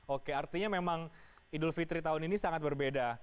oke artinya memang idul fitri tahun ini sangat berbeda